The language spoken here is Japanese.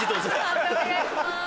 判定お願いします。